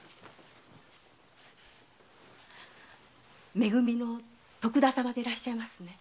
「め組」の徳田様でいらっしゃいますね？